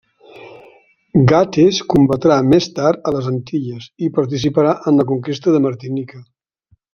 Gates combatrà més tard a les Antilles i participarà en la conquesta de Martinica.